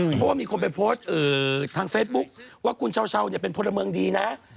เพราะว่ามีคนไปโพสต์ทางเฟซบุ๊คว่าคุณชาวเป็นพลเมืองดีนะ